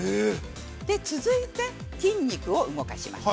続いて、筋肉を動かします。